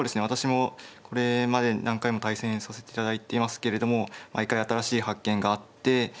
私もこれまでに何回も対戦させて頂いていますけれども毎回新しい発見があって。